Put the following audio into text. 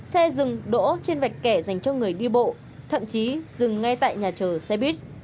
xe dừng đỗ trên vạch kẻ dành cho người đi bộ thậm chí dừng ngay tại nhà chờ xe buýt